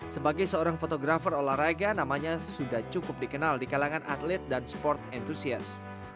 sebagai seorang fotografer olahraga namanya sudah cukup dikenal di kalangan atlet dan sport entusias